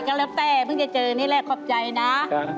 แทนเต้พึ่งจะเจอนี่แหละขอบใจนะ